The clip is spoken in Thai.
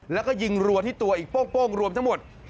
แล้วก็ยิงรัวที่ตัวอีกโป้งรวมทั้งหมด